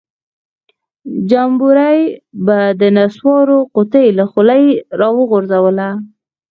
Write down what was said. جمبوري به د نسوارو قطۍ له خولۍ راوغورځوله.